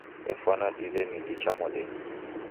Efwana diw'e midi cha modenyi